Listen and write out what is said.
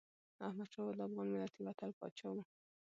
احمدشاه بابا د افغان ملت یو اتل پاچا و.